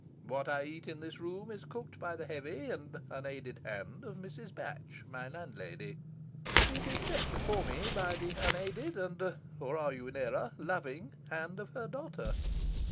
What I eat in this room is cooked by the heavy and unaided hand of Mrs. Batch, my landlady. It is set before me by the unaided and or are you in error? loving hand of her daughter.